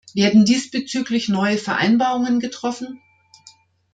Werden diesbezüglich neue Vereinbarungen getroffen?